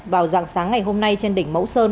vào dạng sáng ngày hôm nay trên đỉnh mẫu sơn